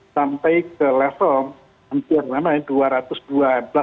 sampai ke level hampir dua ratus dua belas titik itu akan kira kira